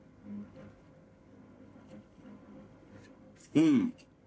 うん。